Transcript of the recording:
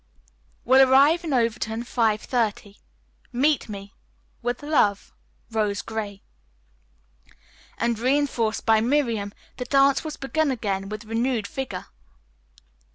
"Will arrive in Overton 5:30. Meet me. With love. Rose Gray." And, reinforced by Miriam, the dance was begun again with renewed vigor.